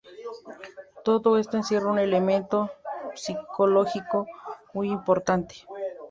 Todo esto encierra un elemento psicológico muy importante.